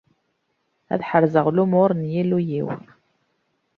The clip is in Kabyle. Ad ḥerzeɣ lumur n Yillu-iw.